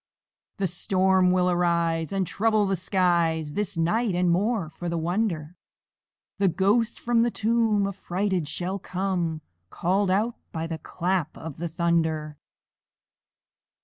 The storm will arise, And trouble the skies This night; and, more for the wonder, The ghost from the tomb Affrighted shall come, Call'd out by the clap of the thunder.